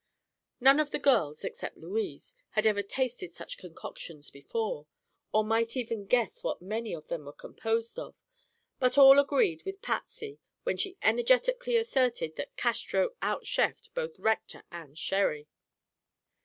None of the girls—except Louise—had ever tasted such concoctions before, or might even guess what many of them were composed of; but all agreed with Patsy when she energetically asserted that "Castro out cheffed both Rector and Sherry."